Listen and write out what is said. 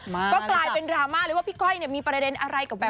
ก็กลายเป็นดราม่าเลยว่าพี่ก้อยเนี่ยมีประเด็นอะไรกับวุ้นเส้นหรือเปล่า